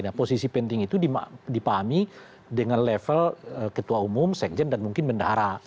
nah posisi penting itu dipahami dengan level ketua umum sekjen dan mungkin bendahara